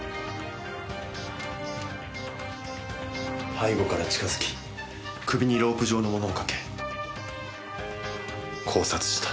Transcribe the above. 背後から近づき首にロープ状のものをかけ絞殺した。